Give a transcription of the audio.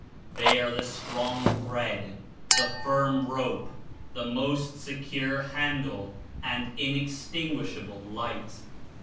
They are the strong thread, the firm rope, the most secure handle and inextinguishable light.